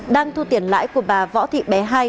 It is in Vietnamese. đang thu tiền lãi của bà võ thị bé hai